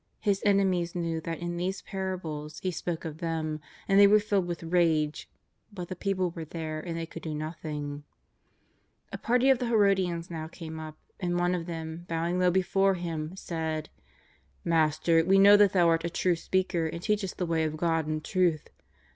His enemies knew that in these parables 318 JESUS OF NAZARETH^^ lie spoke of them, and tliey were filled with rage ; but the people were there and they could do nothing. A party of the llerodians now came up, and one of them, bowing low before Him, said :" Master, we know that Thou art a true speaker and teachest the way of God in truth.